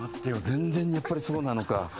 全然やっぱりそうなのか。